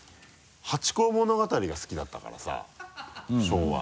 「ハチ公物語」が好きだったからさ昭和。